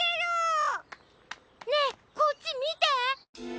ねえこっちみて！